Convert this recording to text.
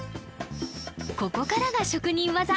ここからが職人技！